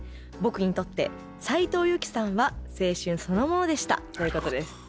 僕にとって斉藤由貴さんは青春そのものでした」ということです。